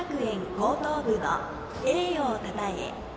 高等部の栄誉をたたえ